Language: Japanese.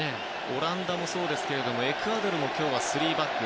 オランダもそうですけどもエクアドルも今日は３バック。